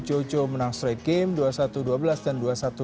jojo menang straight game dua puluh satu dua belas dan dua puluh satu dua belas